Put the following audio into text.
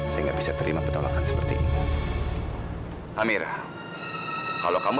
saya gak bisa ikut sama bapak tunggu